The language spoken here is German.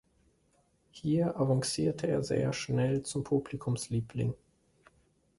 Hier avancierte er sehr schnell zum Publikumsliebling.